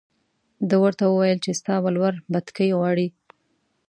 ده ورته وویل چې ستا ولور بتکۍ غواړي.